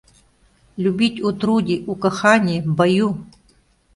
Любить у труди, у кохани, в бою